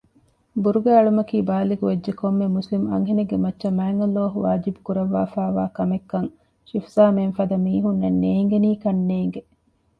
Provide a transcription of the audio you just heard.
ބުރުގާ އެޅުމަކީ ބާލިޣުވެއްޖެ ކޮންމެ މުސްލިމް އަންހެނެއްގެ މައްޗަށް މާތްﷲ ވާޖިބު ކުރައްވާފައިވާ ކަމެއްކަން ޝިފްޒާމެންފަދަ މީހުންނަށް ނޭނގެނީކަންނޭނގެ